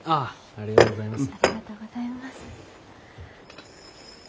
ありがとうございます。